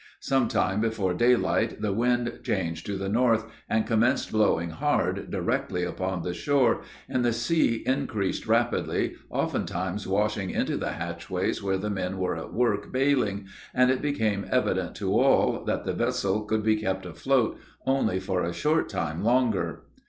Some time before daylight the wind changed to the north; and commenced blowing hard directly upon the shore, and the sea increased rapidly, oftentimes washing into the hatchways where the men were at work bailing, and it became evident to all, that the vessel could be kept afloat only for a short time longer.